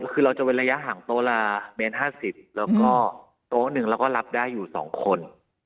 คือเราจะเว้นระยะห่างโต๊ะละเมตร๕๐แล้วก็โต๊ะหนึ่งเราก็รับได้อยู่๒คน